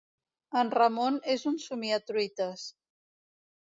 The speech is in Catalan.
En Ramon és una somia truites.